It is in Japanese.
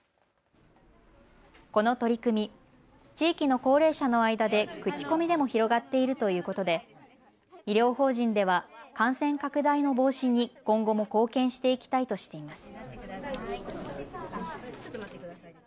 この取り組み、地域の高齢者の間で口コミでも広がっているということで医療法人では感染拡大の防止に今後も貢献していきたいとしています。